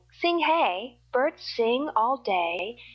Sing hey! Birds sing All day.